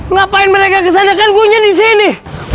ngapain mereka kesana kan gue nya disini